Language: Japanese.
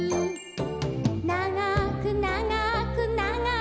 「ながくながくながく」